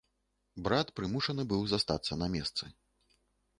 Брат прымушаны быў застацца на месцы.